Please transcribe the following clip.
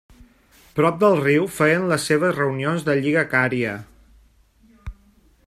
Prop del riu feien les seves reunions la Lliga Cària.